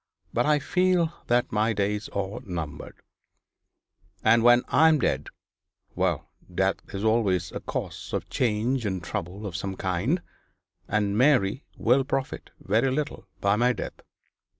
But I feel that my days are numbered and when I am dead well death is always a cause of change and trouble of some kind, and Mary will profit very little by my death.